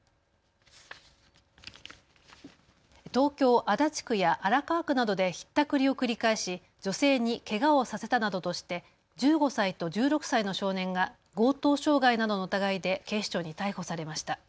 東京足立区や荒川区などでひったくりを繰り返し、女性にけがをさせたなどとして１５歳と１６歳の少年が強盗傷害などの疑いで警視庁に逮捕されました。